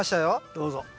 どうぞ。